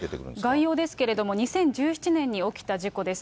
概要ですけれども、２０１７年に起きた事故です。